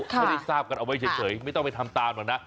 ไม่ได้ทราบกันเอาไว้เฉยไม่ต้องไปทำตามหรอกนะ